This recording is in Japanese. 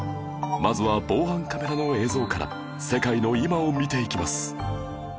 まずは防犯カメラの映像から世界の今を見ていきます